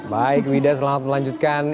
baik wida selamat melanjutkan